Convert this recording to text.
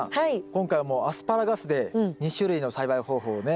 今回はもうアスパラガスで２種類の栽培方法をね